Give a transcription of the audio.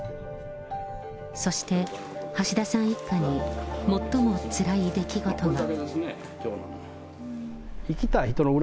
そして、橋田さん一家に最もつらい出来事が。